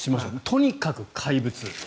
とにかく怪物。